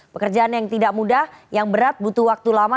pekerjaan yang tidak mudah yang berat butuh waktu lama